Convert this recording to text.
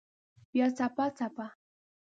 بیا څپه، څپه